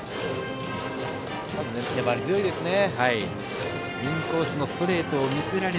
粘り強いですね。